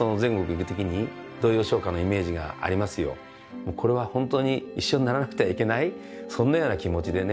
もうこれは本当に一緒にならなくてはいけないそんなような気持ちでね。